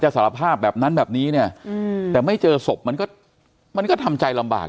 สารภาพแบบนั้นแบบนี้เนี่ยแต่ไม่เจอศพมันก็มันก็ทำใจลำบาก